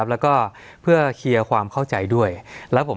สวัสดีครับทุกผู้ชม